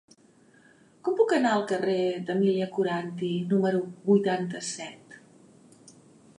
Com puc anar al carrer d'Emília Coranty número vuitanta-set?